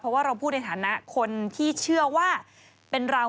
เพราะว่าเราพูดในฐานะคนที่เชื่อว่าเป็นเรา